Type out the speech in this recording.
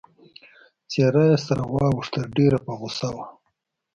څېره يې سره واوښته، ډېره په غوسه وه.